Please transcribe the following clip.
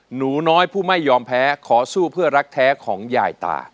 หนูน้อยผู้ไม่ยอมแพ้ขอสู้เพื่อรักแท้ของยายตา